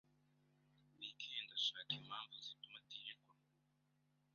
weekend ashaka impamvu zituma atirirwa mu rugo